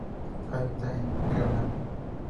Habita en Groenlandia.